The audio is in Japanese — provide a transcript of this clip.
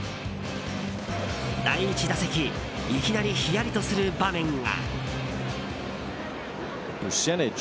第１打席、いきなりヒヤリとする場面が。